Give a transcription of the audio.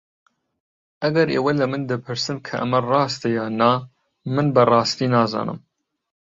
ئەگەر ئێوە لە من دەپرسن کە ئەمە ڕاستە یان نا، من بەڕاستی نازانم.